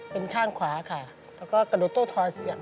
เป็นข้างขวาค่ะแล้วก็กระโดดโต้ทอยเสียบ